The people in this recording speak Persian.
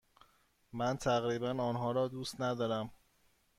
من تقریبا آنها را دوست ندارم.